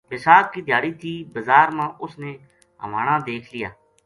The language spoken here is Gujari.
بِساکھ کی دھیاڑی تھی بزار ما اُس نے ہوانا دیکھ لیا